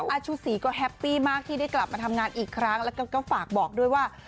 อาชูศรีก็แฮปปี้มากที่ได้กลับมาทำงานอีกครั้งแล้วก็ฝากบอกด้วยว่า